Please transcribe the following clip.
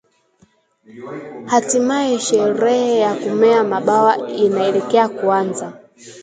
Hatimaye sherehe ya kumea mabawa inaelekea kuanza